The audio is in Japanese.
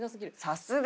さすが！